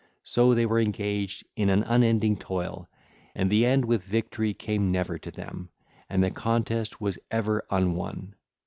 So they were engaged in an unending toil, and the end with victory came never to them, and the contest was ever unwon.